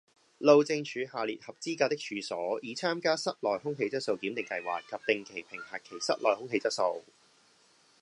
路政署下列合資格的處所已參加室內空氣質素檢定計劃及定期評核其室內空氣質素